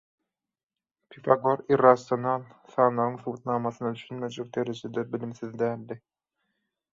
Pifagor irrasional sanlaryň subutnamasyna düşünmejek derejede bilimsiz däldi.